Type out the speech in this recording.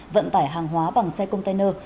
vận tải hàng hóa bằng xe container